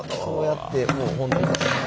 こうやってもう。